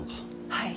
はい。